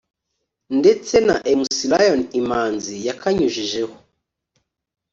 ndetse na Mc Lion Imanzi yakanyujijeho